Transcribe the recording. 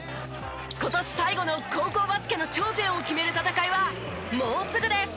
今年最後の高校バスケの頂点を決める戦いはもうすぐです。